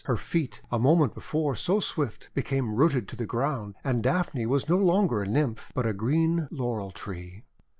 Her feet, a moment before so swift, became rooted to the ground. And Daphne was no longer a Nymph, but a green Laurel Tree.